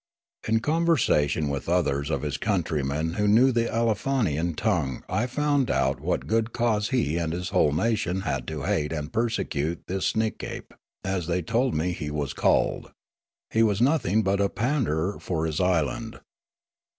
In conversation with others of his countrymen who knew the Aleofanian tongue I found out what good cause he and his whole nation had to hate and persecute this Sneekape, as, they told me he was called. He was nothing but a pander for his island.